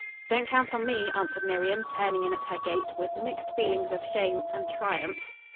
"Don't count on me," answered Miriam, turning in at her gate, with mixed feelings of shame and triumph.